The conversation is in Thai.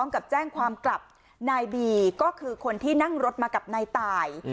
กับแจ้งความกลับนายบีก็คือคนที่นั่งรถมากับนายตาย